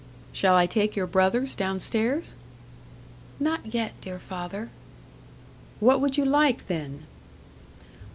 "Shall I take your brothers down stairs?" "Not yet, dear father." "What would you like, then?"